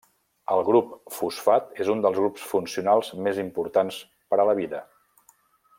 El grup fosfat és un dels grups funcionals més importants per a la vida.